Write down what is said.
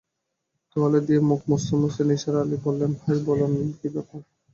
তোয়ালে দিয়ে মুখ মুছতে-মুছতে নিসার আলি বললেন, ভাই, বলুন কী ব্যাপার।